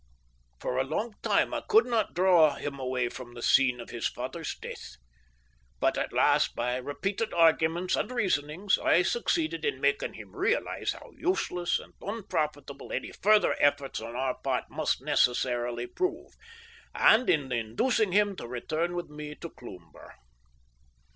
For a long time I could not draw him away from the scene of his father's death, but at last, by repeated arguments and reasonings, I succeeded in making him realise how useless and unprofitable any further efforts on our part must necessarily prove, and in inducing him to return with me to Cloomber.